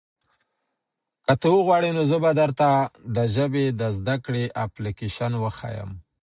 که ته وغواړې نو زه به درته د ژبې د زده کړې اپلیکیشن وښیم.